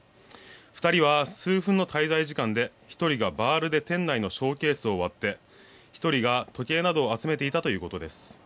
２人は数分の滞在時間で１人がバールで店内のショーケースを割って１人が時計などを集めていたということです。